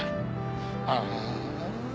ああ。